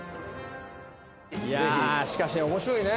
石原：いやあしかし、面白いね。